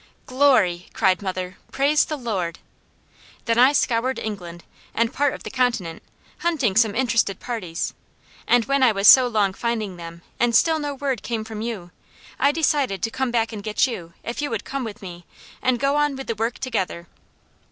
'" "Glory!" cried mother. "Praise the Lord!" "'Then I scoured England, and part of the continent, hunting some interested parties; and when I was so long finding them, and still no word came from you, I decided to come back and get you, if you would come with me, and go on with the work together.'"